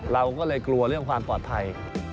เราก็เลยกลัวเรื่องความปลอดภัย